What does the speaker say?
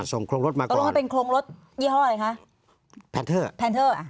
ส่งโครงรถมาก่อนตรวจสอบเป็นโครงรถยี่ห้ออะไรคะแพนเทอร์แพนเทอร์